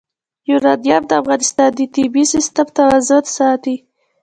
یورانیم د افغانستان د طبعي سیسټم توازن ساتي.